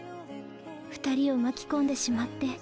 二人を巻き込んでしまって。